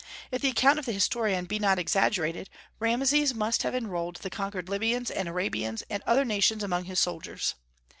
If the account of the historian be not exaggerated, Rameses must have enrolled the conquered Libyans and Arabians and other nations among his soldiers.